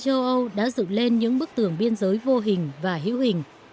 nhiều người châu âu đã dựng lên những bức tường biên giới vô hình và hữu hình